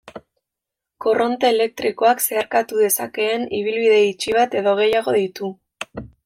Korronte elektrikoak zeharkatu dezakeen ibilbide itxi bat edo gehiago ditu.